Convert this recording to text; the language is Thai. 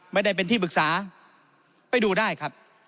ไม่ได้เป็นที่ปรึกษาไปดูได้ครับ